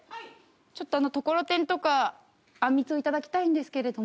ちょっとところてんとかあんみつを頂きたいんですけれども。